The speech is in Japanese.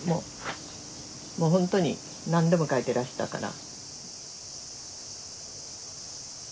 もう本当に何でも描いてらしたから。